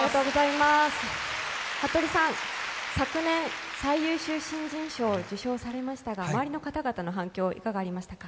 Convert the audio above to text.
服部さん、昨年最優秀新人賞を受賞しましたが周りの方々の反響、いかがありましたか？